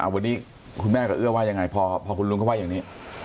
วันนี้คุณแม่กับเอื้อว่ายังไงพอคุณลุงเขาว่าอย่างนี้